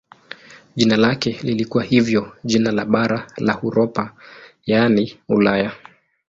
Jina lake lilikuwa hivyo jina la bara la Europa yaani Ulaya.